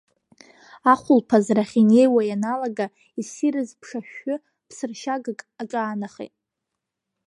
Ахәылԥазрахь инеиуа ианалага, исирыз ԥшашәшәы ԥсыршьагак аҿаанахеит.